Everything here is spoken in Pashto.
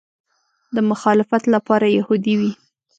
د مخالفت لپاره یهودي وي.